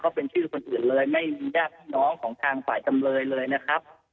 เป็นชื่อคนอื่นเลยไม่มีญาติพี่น้องของทางฝ่ายจำเลยเลยนะครับ